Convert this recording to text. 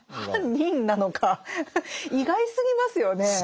「犯人」なのか意外すぎますよね。